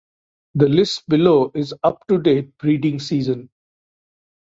The list below is up to date breeding season.